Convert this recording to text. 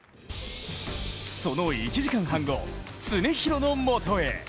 その１時間半後、常廣のもとへ。